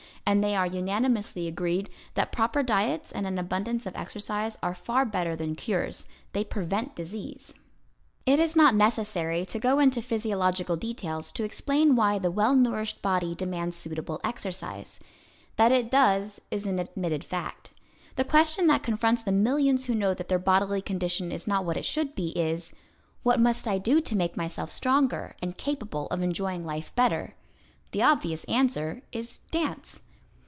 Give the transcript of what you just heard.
And they are unanimously agreed that proper diets and an abundance of exercise are far better than cures; they prevent disease. It is not necessary to go into physiological details to explain why the well nourished body demands suitable exercise. That it does is an admitted fact. The question that confronts the millions who know that their bodily condition is not what it should be is: "What must I do to make myself stronger, and capable of enjoying life better?" The obvious answer is: "Dance."